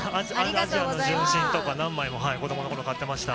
アジアの純真とか、何枚も、子どものころ、買ってました。